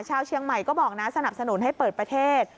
ชาวเชียงใหม่ก็บอกนะสนับสนุนให้เปิดประเทศ